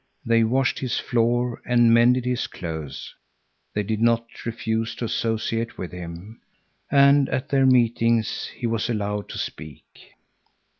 They washed his floor and mended his clothes. They did not refuse to associate with him. And at their meetings he was allowed to speak.